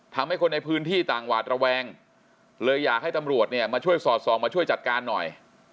ทำให้คนในพื้นที่ต่างหวาดระแวงเลยอยากให้ตำรวจเนี่ยมาช่วยสอดส่องมาช่วยจัดการหน่อย